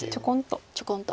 ちょこんと。